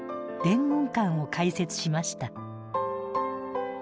「伝言館」を開設しました。